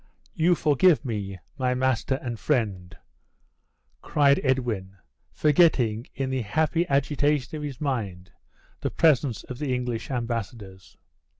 "You forgive me, my master and friend?" cried Edwin, forgetting, in the happy agitation of his mind, the presence of the English embassadors.